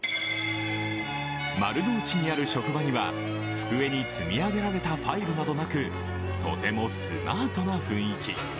丸の内にある職場には机に積み上げられたファイルなどなくとてもスマートな雰囲気。